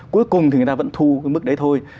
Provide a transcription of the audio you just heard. cuối cùng thì người ta vẫn thu cái mức đấy thôi